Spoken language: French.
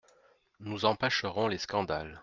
Nous empêcherons les scandales.